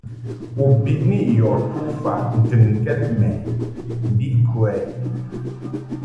U biʼni yɔ tufaʼ ntɨnkɛd mɛ mbiʼ kə ?